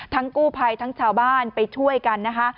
กู้ภัยทั้งชาวบ้านไปช่วยกันนะคะ